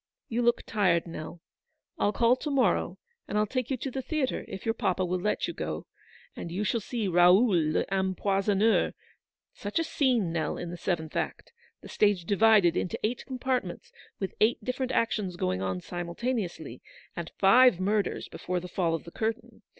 You look tired, Nell. I'll call to morrow, and I'll take you to the theatre, if your papa will let you go, and you shall see ' Raoul l'Empoisonneur." Such a scene, Nell, in the seventh act. The stage divided into eight compartments, with eight different actions going on simultaneously, and five murders before the fall of the curtain.